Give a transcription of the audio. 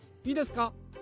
いいですか？